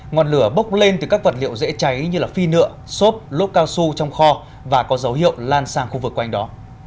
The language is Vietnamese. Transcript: ngọn lửa bốc lên từ các vật liệu dễ cháy như phi nựa xốp lốt cao su trong kho và có dấu hiệu lan sang khu vực quanh đó